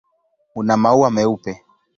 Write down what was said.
Una maua meupe.